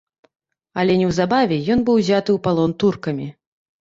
Але неўзабаве ён быў узяты ў палон туркамі.